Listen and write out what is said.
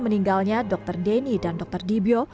meninggalnya dokter denny dan dokter dibyo